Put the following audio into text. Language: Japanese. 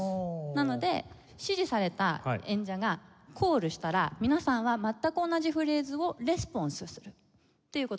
なので指示された演者がコールしたら皆さんは全く同じフレーズをレスポンスするっていう事です。